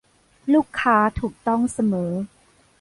ลูกค้าถูกต้องเสมอ